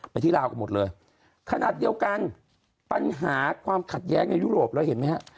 ที่ลาวกันหมดเลยขนาดเดียวกันปัญหาความขัดแย้งในยุโรปแล้วเห็นไหมฮะ